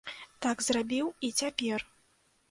Так зрабіў і цяпер.